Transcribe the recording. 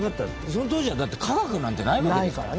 その当時はだって科学なんてないわけですから。